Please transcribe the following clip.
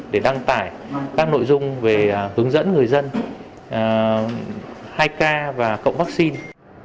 để đăng tải các nội dung về hướng dẫn người dân hai k và cộng vaccine